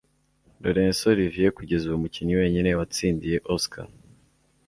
Laurence Olivier kugeza ubu umukinnyi wenyine watsindiye Oscar